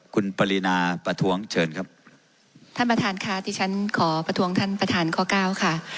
คุณปรินาประท้วงเชิญครับท่านประธานค่ะที่ฉันขอประท้วงท่านประธานข้อเก้าค่ะ